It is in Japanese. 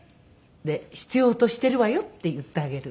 で「必要としているわよ」って言ってあげる。